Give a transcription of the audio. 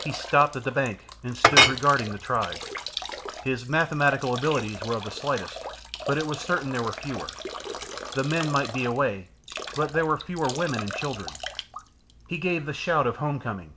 He stopped at the bank and stood regarding the tribe. His mathematical abilities were of the slightest, but it was certain there were fewer. The men might be away, but there were fewer women and children. He gave the shout of home coming.